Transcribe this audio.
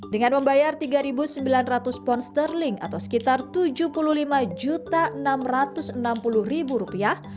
dengan membayar tiga sembilan ratus pound sterling atau sekitar tujuh puluh lima enam ratus enam puluh rupiah